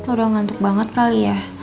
aduh ngantuk banget kali ya